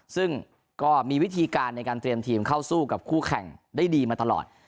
ซึ่งก็มีวิธีการในการเตรียมทีมเข้าสู้กับคู่แข่งได้ดีมาตลอด